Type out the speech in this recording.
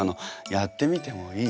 やってみてもいい？